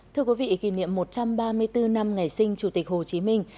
thưa quý vị kỷ niệm một trăm ba mươi bốn năm ngày sinh chủ tịch hồ chí minh